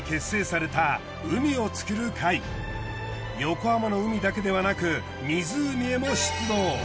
横浜の海だけではなく湖へも出動。